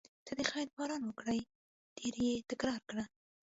ته د خیر باران وکړې ډېر یې تکرار کړه.